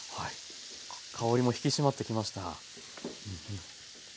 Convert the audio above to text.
香りも引き締まってきました。